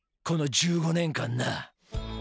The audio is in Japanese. この１５年間な」